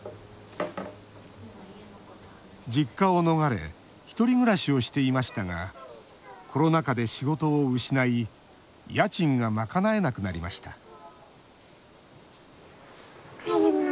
実家を逃れ１人暮らしをしていましたがコロナ禍で仕事を失い家賃が賄えなくなりました